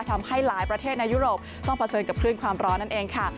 ทำให้หลายประเทศในยุโรปต้องเผชิญกับคลื่นความร้อนนั่นเองค่ะ